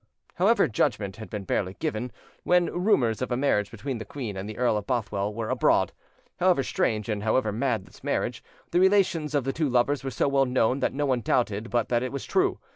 However, judgment had been barely given, when rumours of a marriage between the queen and the Earl of Bothwell were abroad. However strange and however mad this marriage, the relations of the two lovers were so well known that no one doubted but that it was true.